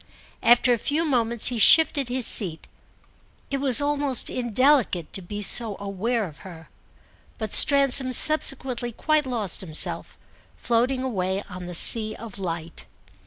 After a few moments he shifted his seat; it was almost indelicate to be so aware of her. But Stransom subsequently quite lost himself, floating away on the sea of light.